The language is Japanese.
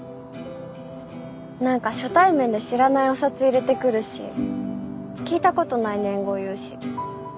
何か初対面で知らないお札入れてくるし聞いたことない年号言うし。